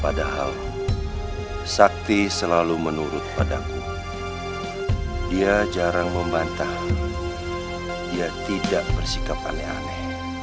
padahal sakti selalu menurut padaku dia jarang membantah dia tidak bersikap aneh aneh